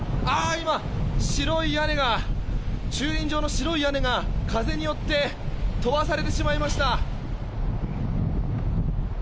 今、白い屋根が駐輪場の白い屋根が風によって飛ばされてしまいました。